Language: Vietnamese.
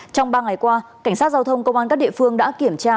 trong ba ngày qua cảnh sát giao thông công an các địa phương đã kiểm tra